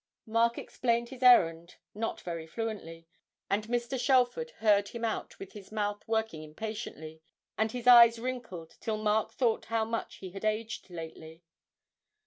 Mark explained his errand not very fluently, and Mr. Shelford heard him out with his mouth working impatiently, and his eyes wrinkled till Mark thought how much he had aged lately.